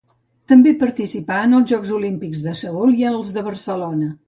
També participà en els Jocs Olímpics de Seül i en els de Barcelona.